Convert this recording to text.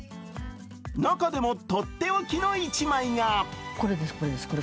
中でもとっておきの１枚が。